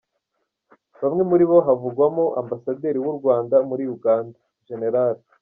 Bamwe muri bo havugwamo Ambasaderi w’u Rwanda muri Uganda, Gen.